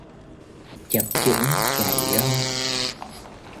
Chập chững chạy rông